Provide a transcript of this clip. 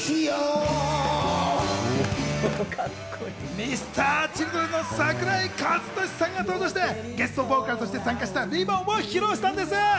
Ｍｒ．Ｃｈｉｌｄｒｅｎの桜井和寿さんが登場して、ゲストボーカルとして参加した『リボン』を披露したんです。